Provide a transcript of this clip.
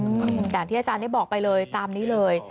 อย่างที่อาจารย์ได้บอกไปเลยตามนี้เลย